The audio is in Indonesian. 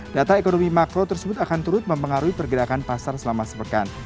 data ekonomi makro tersebut akan turut mempengaruhi pergerakan pasar selama sepekan